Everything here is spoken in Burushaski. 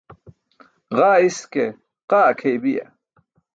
Ġaa iske be qaa akʰeybiya.